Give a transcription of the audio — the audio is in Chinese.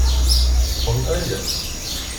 冯恩人。